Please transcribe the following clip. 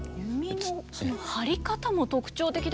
弓の張り方も特徴的ですよね。